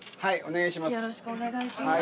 お願いします。